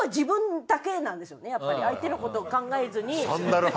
やっぱり相手のことを考えずに。